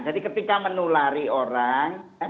jadi ketika menulari orang